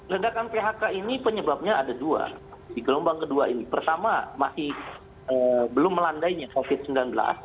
ledakan phk ini penyebabnya ada dua di gelombang kedua ini pertama masih belum melandainya covid sembilan belas